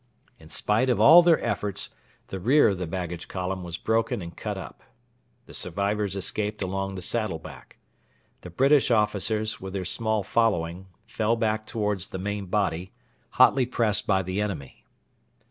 In spite of all their efforts the rear of the baggage column was broken and cut up. The survivors escaped along the saddleback. The British officers, with their small following, fell back towards their main body, hotly pressed by the enemy.